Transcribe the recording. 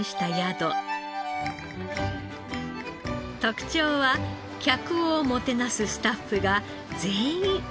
特長は客をもてなすスタッフが全員村人である事。